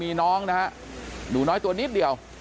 มีน้องนะฮะหนูน้อยตัวนิดเดียว